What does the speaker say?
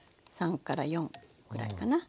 ３から４ぐらいかな。